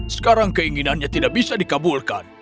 sekarang keinginannya tidak bisa dikabulkan